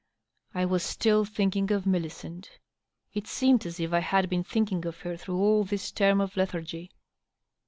I was still thinking of Millicent. It seemed as if I had been thinking of her through all this term of lethargy.